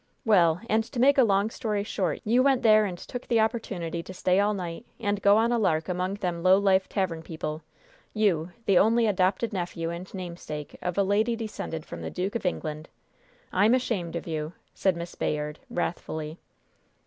"Well, and to make a long story short, you went there and took the opportunity to stay all night and go on a lark among them low life tavern people you, the only adopted nephew and namesake of a lady descended from the Duke of England! I'm ashamed of you!" said Miss Bayard, wrathfully.